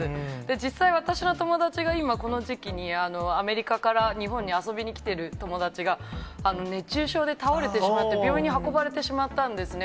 実際、私の友達が今、この時期にアメリカから日本に遊びに来てる友達が、熱中症で倒れてしまって、病院に運ばれてしまったんですね。